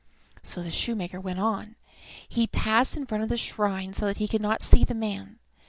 So the shoemaker went on. He passed in front of the shrine so that he could not see the man.